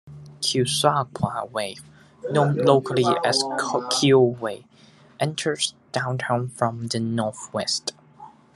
Keosauqua Way, known locally as Keo Way, enters downtown from the northwest.